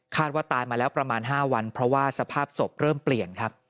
ว่าตายมาแล้วประมาณ๕วันเพราะว่าสภาพศพเริ่มเปลี่ยนครับ